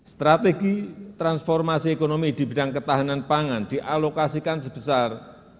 strategi transformasi ekonomi di bidang ketahanan pangan dialokasikan sebesar